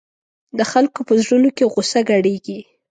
د خلکو په زړونو کې غوسه ګډېږي.